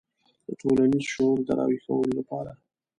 د ټولنیز شعور د راویښولو لپاره.